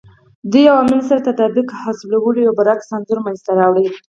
دې عواملو سره تطابق حاصلولو یو برعکس انځور منځته راوړي